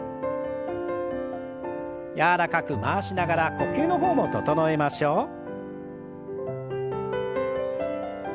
柔らかく回しながら呼吸の方も整えましょう。